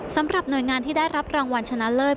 สำหรับหน่วยงานที่ได้รับรางวัลชนะเลิศ